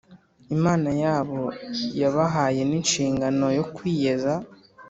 Imana yabo yabahaye n inshingano yo kwiyeza